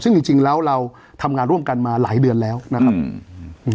ซึ่งจริงจริงแล้วเราทำงานร่วมกันมาหลายเดือนแล้วนะครับอืม